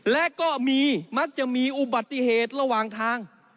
และก็มีมักจะมีอุบัติเหตุระหว่างทาง